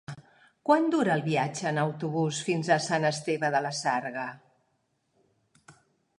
Quant dura el viatge en autobús fins a Sant Esteve de la Sarga?